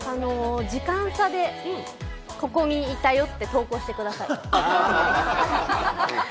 時間差でここにいたよって投稿してくださいって。